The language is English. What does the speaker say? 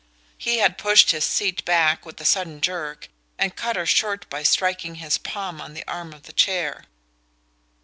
He had pushed his seat back with a sudden jerk and cut her short by striking his palm on the arm of the chair.